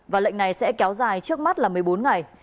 và lệnh này sẽ kéo dài trước mắt là một mươi bốn ngày